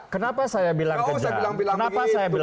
kenapa saya bilang kejam